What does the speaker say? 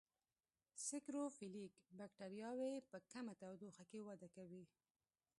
سیکروفیلیک بکټریاوې په کمه تودوخه کې وده کوي.